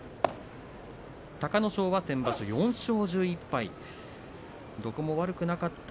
隆の勝は先場所４勝１１敗でした。